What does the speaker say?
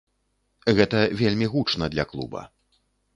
Гэта вельмі гучна для клуба.